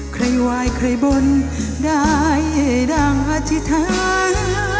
ใครวายใครบนได้ให้ดังอาจิธาน